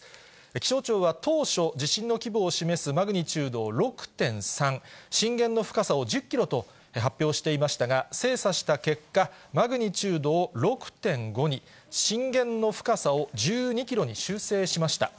気象庁は当初、地震の規模を示すマグニチュードを６．３、震源の深さを１０キロと発表していましたが、精査した結果、マグニチュードを６．５に、震源の深さを１２キロに修正しました。